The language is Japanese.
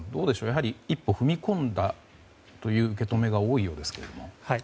やはり一歩踏み込んだという受け止めが多いようですけれども。